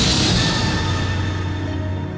ini artinya perawatanku diterima dengan baik